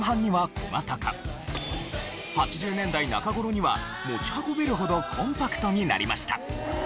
８０年代中頃には持ち運べるほどコンパクトになりました。